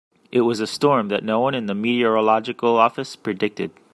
It was a storm that no one in the meteorological office predicted.